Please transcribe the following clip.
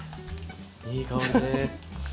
いい香りです。